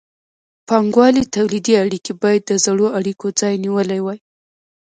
بانګوالي تولیدي اړیکې باید د زړو اړیکو ځای نیولی وای.